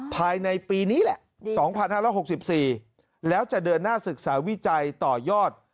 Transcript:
ภายในปีนี้แหละ๒๕๖๔แล้วจะเดินหน้าศึกษาวิจัยต่อยอด